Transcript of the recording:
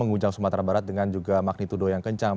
menguncang sumatera barat dengan juga magnitudo yang kencang